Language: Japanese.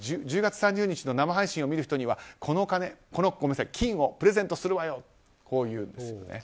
１０月３０日の生配信を見る人にはこの金をプレゼントするわよと言うんです。